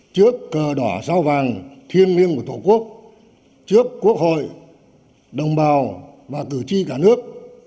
trước cờ đỏ sao vàng thiên liêng của tổ quốc trước quốc hội đồng bào và cử tri cả nước